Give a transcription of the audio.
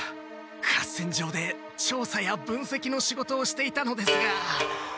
合戦場でちょうさやぶんせきの仕事をしていたのですが。